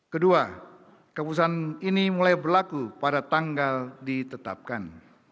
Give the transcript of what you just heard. kedua keputusan ini mulai berlaku pada tanggal ditetapkan